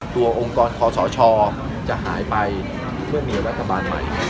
องค์กรคอสชจะหายไปเมื่อมีรัฐบาลใหม่